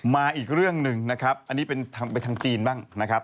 มาอีกเรื่องหนึ่งนะครับอันนี้เป็นไปทางจีนบ้างนะครับ